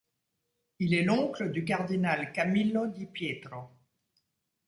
Il est l'oncle du cardinal Camillo Di Pietro.